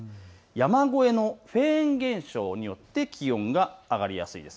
山越えのフェーン現象によって気温が上がりやすいです。